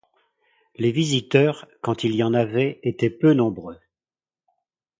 Les visiteurs, quand il y en avaient, étaient peu nombreux.